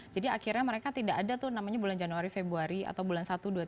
jadi akhirnya mereka tidak ada tuh namanya bulan januari februari atau bulan satu dua tiga